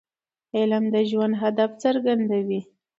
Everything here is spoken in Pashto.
علم د ژوند هدف څرګندوي.